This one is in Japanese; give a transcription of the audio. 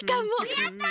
やった！